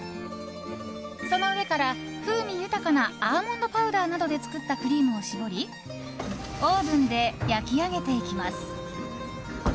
その上から風味豊かなアーモンドパウダーなどで作ったクリームを絞りオーブンで焼き上げていきます。